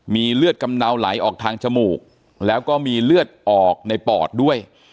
มีเลือดกำเนาไหลออกทางจมูกแล้วก็มีเลือดออกในปอดด้วย